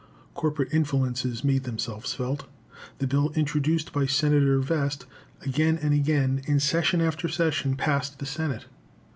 Corporate influences made themselves felt. The bill introduced by Senator Vest again and again, in session after session, passed the Senate.